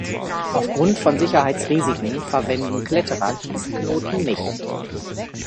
Aufgrund von Sicherheitsrisiken verwenden Kletterer diesen Knoten nicht.